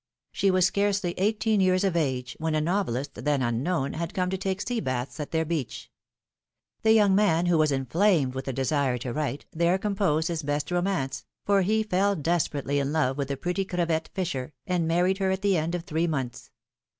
She was scarcely eighteen years of age, when a novelist, then unknown, had come to take sea baths at their beach. The young man, who was inflamed with a desire to write, there composed his best romance, for he fell desperately in love with the pretty Crevette fisher, and married her at the end of three months.